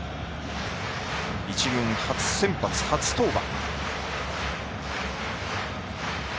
一軍初先発初登板。